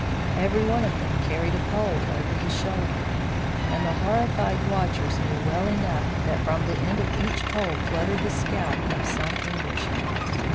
Every one of them carried a pole over his shoulder, and the horrified watchers knew well enough that from the end of each pole fluttered the scalp of some Englishman.